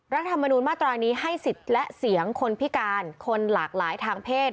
รัฐธรรมนูญมาตรานี้ให้สิทธิ์และเสียงคนพิการคนหลากหลายทางเพศ